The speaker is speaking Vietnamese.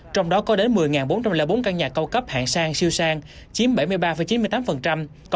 trong đó có đến một mươi bốn trăm linh bốn căn nhà cao cấp hạng sang siêu sang chiếm bảy mươi ba chín mươi tám